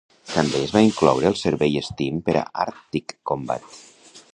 També es va incloure el servei Steam per a Arctic Combat.